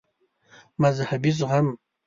مذهبي زغم